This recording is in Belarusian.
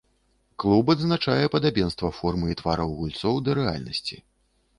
Клуб адзначае падабенства формы і твараў гульцоў да рэальнасці.